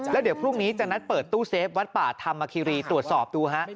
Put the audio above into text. แล้วเดี๋ยวพรุ่งนี้จะนัดเปิดตู้เซฟวัดป่าธรรมคิรีตรวจสอบดูฮะ